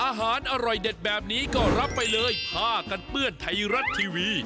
อร่อยเด็ดแบบนี้ก็รับไปเลยผ้ากันเปื้อนไทยรัฐทีวี